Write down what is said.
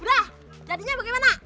udah jadinya bagaimana